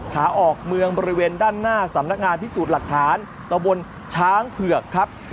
ขาออกเมืองบริเวณด้านหน้าสำนักงานพิสูจน์หลักฐานตะบนช้างเผือกครับ